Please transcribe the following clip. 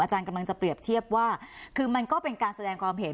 กำลังจะเปรียบเทียบว่าคือมันก็เป็นการแสดงความเห็น